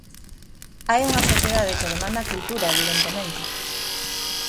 Hai unha sociedade que demanda cultura evidentemente.